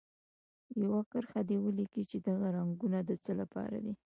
یوه کرښه دې ولیکي چې دغه رنګونه د څه لپاره دي.